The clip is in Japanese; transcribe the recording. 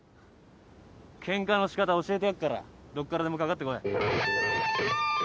ケンカのしかた教えてやっからどっからでもかかってこい。